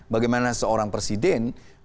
bagaimana seorang presiden